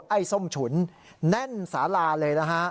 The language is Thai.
ไอ้ส้มฉุนแน่นสาราเลย